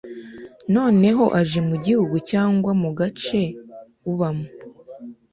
Noneho aje mu gihugu cyangwa mu gace ubamo